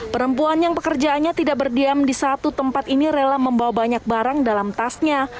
perempuan yang pekerjaannya tidak berdiam di satu tempat ini rela membawa banyak barang dalam tasnya